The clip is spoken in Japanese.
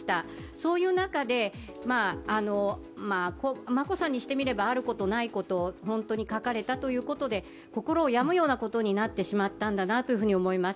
そういう中で、眞子さんにしてみればあることないことを本当に書かれたということで心を病むようなことになってしまったんだなと思います。